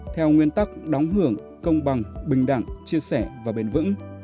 theo nguyên tắc đóng hưởng công bằng bình đẳng chia sẻ và bền vững